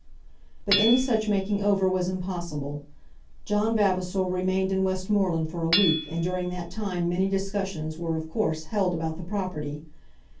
But any such making over was impossible. John Vavasor remained in Westmoreland for a week, and during that time many discussions were, of course, held about the property.